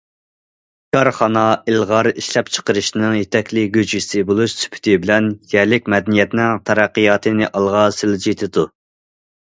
كارخانا ئىلغار ئىشلەپچىقىرىشنىڭ يېتەكلىگۈچىسى بولۇش سۈپىتى بىلەن يەرلىك مەدەنىيەتنىڭ تەرەققىياتىنى ئالغا سىلجىتىدۇ.